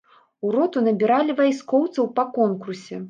У роту набіралі вайскоўцаў па конкурсе.